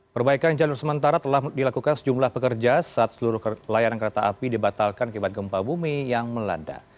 perbaikan jalur sementara telah dilakukan sejumlah pekerja saat seluruh layanan kereta api dibatalkan kebanyakan gempa bumi yang melanda